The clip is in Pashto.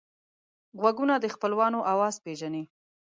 غوږونه د خپلوانو آواز پېژني